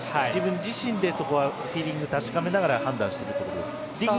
自分自身でフィーリング確かめながら判断していくところです。